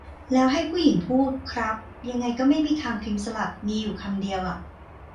แล้วให้ผู้หญิงพูด ครับ ยังไงก็ไม่มีทางพิมพ์สลับ มีอยู่คำเดียวอะ